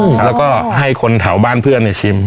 แล้วก็ให้คนแถวบ้านเพื่อนชิม